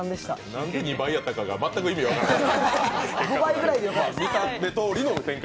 なんで２倍やったか全く意味が分からない。